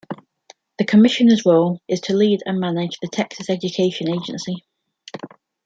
The commissioner's role is to lead and manage the Texas Education Agency.